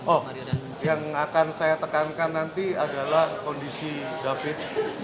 oh yang akan saya tekankan nanti adalah kondisi david